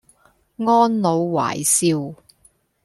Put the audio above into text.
安老懷少